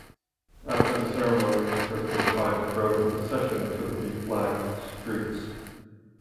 After the ceremony President Hyde drove in procession through the beflagged streets.